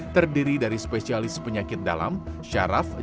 terdiri dari spesialis penyakit dalam syaraf